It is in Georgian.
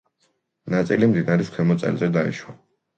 ნაწილი მდინარის ქვემო წელზე დაეშვა.